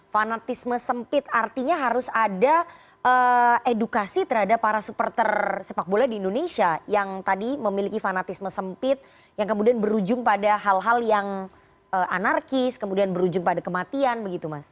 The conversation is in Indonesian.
fanatisme sempit artinya harus ada edukasi terhadap para supporter sepak bola di indonesia yang tadi memiliki fanatisme sempit yang kemudian berujung pada hal hal yang anarkis kemudian berujung pada kematian begitu mas